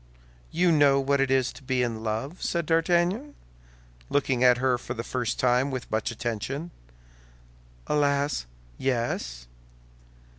"You know what it is to be in love?" said D'Artagnan, looking at her for the first time with much attention. "Alas, yes."